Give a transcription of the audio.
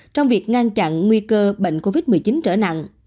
trong việc ngăn chặn nguy cơ bệnh covid một mươi chín trở nặng